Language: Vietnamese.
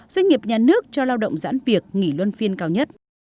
doanh nghiệp nhà nước cho lao động giãn việc nghỉ luân phiên cao nhất